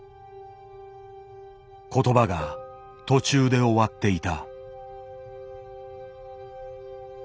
言葉が途中で終わっていた。